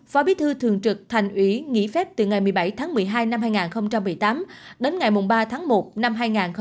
phó bí thư thường trực thành ủy nghỉ phép từ ngày một mươi bảy tháng một mươi hai năm hai nghìn một mươi tám đến ngày ba tháng một năm hai nghìn một mươi chín